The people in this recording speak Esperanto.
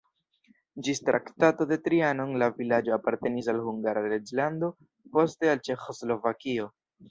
Ĝis Traktato de Trianon la vilaĝo apartenis al Hungara reĝlando, poste al Ĉeĥoslovakio.